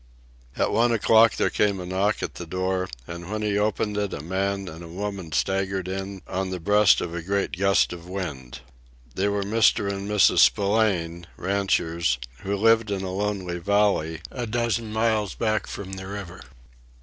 At one o'clock there came a knock at the door, and when he opened it a man and a woman staggered in on the breast of a great gust of wind. They were Mr. and Mrs. Spillane, ranchers, who lived in a lonely valley a dozen miles back from the river.